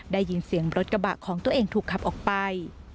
ได้ยินเสียงรถกระบะของตัวเองถูกขับออกไป